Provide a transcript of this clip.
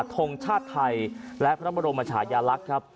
ทงชาติไทยและพระบรมชายาลักษณ์ครับ